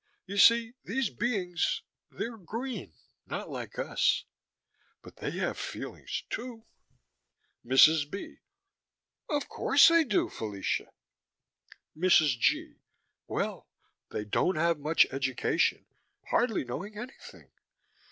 You see, these beings they're green, not like us, but they have feelings, too MRS. B.: Of course they do, Fellacia. MRS. G.: Well. They don't have much education, hardly know anything.